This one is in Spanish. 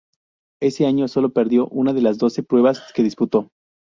Ese año solo perdió en una de las doce pruebas que disputó.